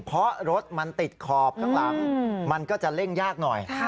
เพราะรถมันติดขอบข้างหลังมันก็จะเร่งยากหน่อย